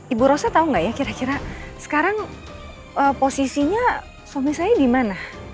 ibu rosa tau gak ya kira kira sekarang posisinya suami saya dimana